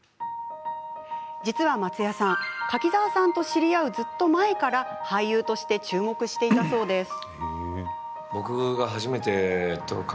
実は、松也さん柿澤さんと知り合うずっと前から俳優として注目していたそうです。